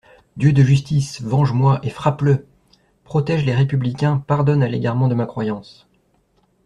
Dieu de justice, venge-moi et frappe-le ! Protége les républicains, pardonne à l'égarement de ma croyance.